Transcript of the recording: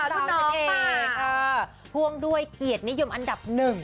น้องเป็นเอกท่วงด้วยเกียรตินิยมอันดับหนึ่ง